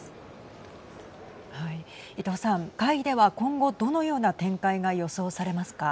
伊藤さん会議では今後どのような展開が予想されますか。